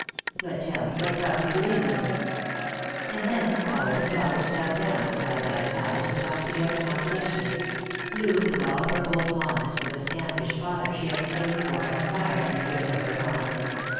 But tell me what brought you to England." 310 Lost for Lo And then father and daughter sat down side by side, and talked together confidentially — Loo with all her old fondness for the scampish father she had slaved for and admired in tha years that were gone.